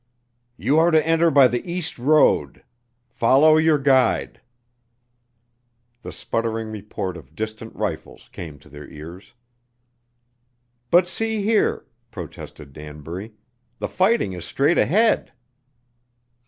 "You are to enter by the East Road. Follow your guide." The sputtering report of distant rifles came to their ears. "But, see here," protested Danbury, "the fighting is straight ahead."